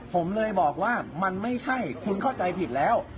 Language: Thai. ผมเลยบอกว่ามันไม่ใช่คุณเข้าใจผิดแล้ว